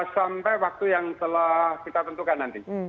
sampai waktu yang telah kita tentukan nanti